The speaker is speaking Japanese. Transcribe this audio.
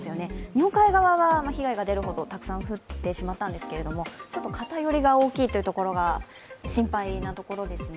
日本海側は被害が出るほどたくさん降ってしまったんですが偏りが大きいというところが心配なところですね。